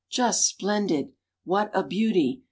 "Just splendid!" "What a beauty!"